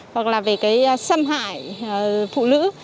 hoặc là về cái xâm hại phụ nữ